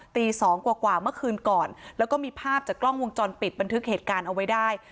ตีสองกว่าเมื่อคืนก่อนแล้วก็มีภาพจากกล้องวงจรปิดบันทึกเหตุการณ์เอาไว้ได้